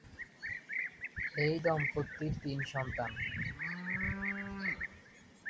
এই দম্পতির তিন সন্তান।